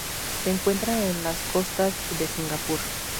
Se encuentra en las costas de Singapur.